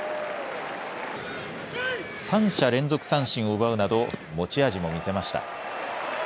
３者連続三振を奪うなど、持ち味も見せました。